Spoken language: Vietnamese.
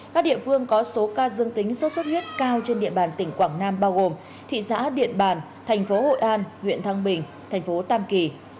các địa phương có số ca dương tính sốt xuất huyết cao trên địa bàn tỉnh quảng nam bao gồm thị xã điện bàn thành phố hội an huyện thăng bình thành phố tam kỳ